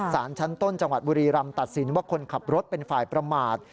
สารชั้นต้นจังหวัดบุรีรำตัดสินว่าคนขับรถเป็นฝ่ายประมาท